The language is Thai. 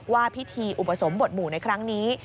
ว่าพิธีอุปสมบทหมู่ในครั้งนี้